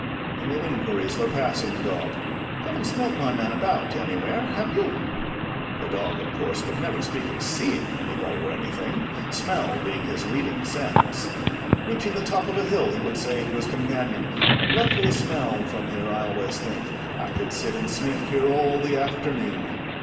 He made inquiries of a passing dog— "You haven't smelt my man about anywhere, have you?" (A dog, of course, would never speak of seeing anybody or anything, smell being his leading sense. Reaching the top of a hill, he would say to his companion—"Lovely smell from here, I always think; I could sit and sniff here all the afternoon."